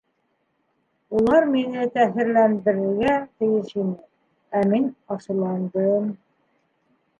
Улар мине тэьҫирләндерергә тейеш ине, э мин асыуландым...